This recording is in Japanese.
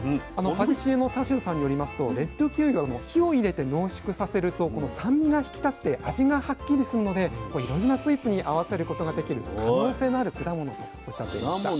パティシエの田代さんによりますとレッドキウイは火を入れて濃縮させるとこの酸味が引き立って味がはっきりするのでいろんなスイーツに合わせることができる可能性のある果物とおっしゃっていました。